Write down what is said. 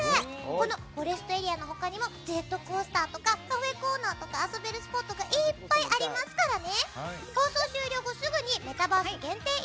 このフォレストエリアの他にもジェットコースターとかカフェエリアとか遊べるスポットがいっぱいありますからね！